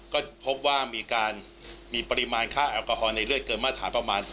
ก็พบว่ามีการมีปริมาณค่าแอลกอฮอลในเลือดเกินมาตรฐานประมาณ